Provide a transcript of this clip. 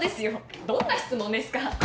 どんな質問ですか？